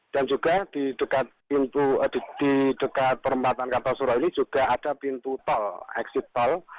dan juga di dekat perempatan kartu suruh ini juga ada pintu tol exit tol